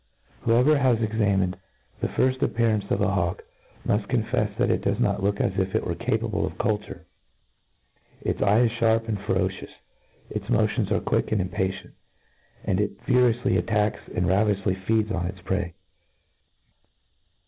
Whoever has examined the firft appearance of a hawk, muft confefs, that it does not look as if it were capable of culture. Its eye is fharp and ferocious — ^its niotions are quick and impatient —arid it furioufly attacks, and ravenoufly feeds on its prey.